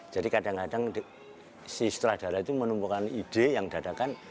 jadi kadang kadang si istradara itu menemukan ide yang dadakan